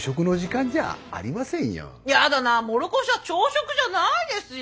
嫌だなもろこしは朝食じゃないですよ！